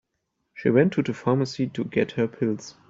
She went to the pharmacy to get her pills.